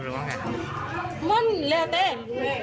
คุณโดนมันไม่เคยธิฬา